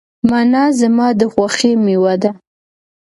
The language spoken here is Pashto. مڼه زما د خوښې مېوه ده.